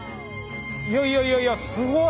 いやいやいやいやすごい。